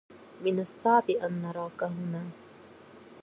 من الصعب أن نراك هنا.